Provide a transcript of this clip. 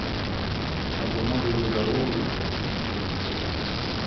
А то можа і за дарогу заплаціць.